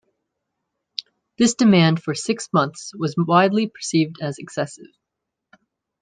This demand for six months was widely perceived as excessive.